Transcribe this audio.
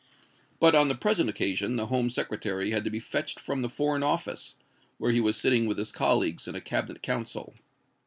But on the present occasion the Home Secretary had to be fetched from the Foreign Office, where he was sitting with his colleagues in a Cabinet Council.